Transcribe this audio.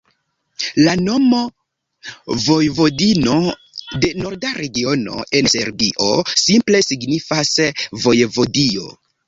La nomo Vojvodino de norda regiono en Serbio simple signifas vojevodio.